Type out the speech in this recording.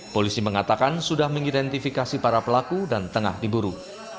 polisi mengatakan sudah mengidentifikasi para pelaku dan tengah diburu